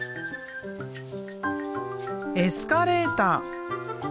エスカレーター。